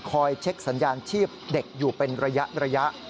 เช็คสัญญาณชีพเด็กอยู่เป็นระยะ